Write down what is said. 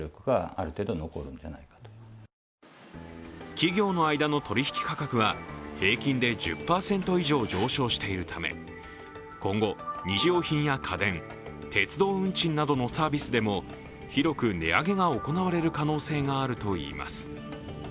企業の間の取引価格は平均で１０％以上上昇しているため今後、日用品や家電、鉄道運賃などのサービスでも広く値上げが行われる可能性があるといいます。